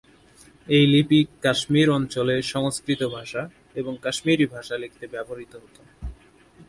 এই লিপি কাশ্মীর অঞ্চলে সংস্কৃত ভাষা এবং কাশ্মীরি ভাষা লিখতে ব্যবহৃত হত।